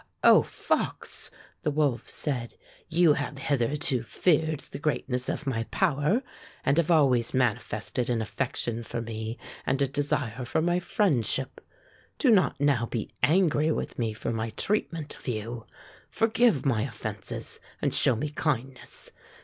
"O Fox," the wolf said, "you have hith erto feared the greatness of my power and have always manifested an affection for me 153 Fairy Tale Foxes and a desire for my friendship. Do not now be angry with me for my treatment of you. Forgive my offenses and show me kindness.